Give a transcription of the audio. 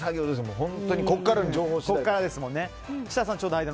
本当にここからの情報です。